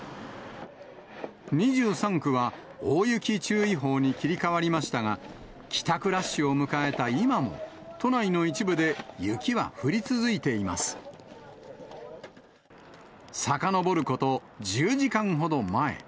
２３区は大雪注意報に切り替わりましたが、帰宅ラッシュを迎えたさかのぼること１０時間ほど前。